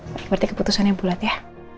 berarti keputusannya bulat ya